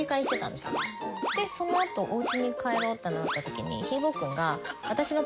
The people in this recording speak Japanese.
でそのあとおうちに帰ろうってなった時に。